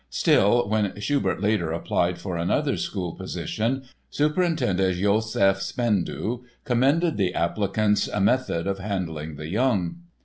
Still, when Schubert later applied for another school position Superintendent Josef Spendou commended the applicant's "method of handling the young."